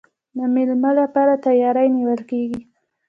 د میلمه لپاره تیاری نیول کیږي.